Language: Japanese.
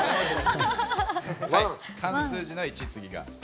漢数字の「一」次が。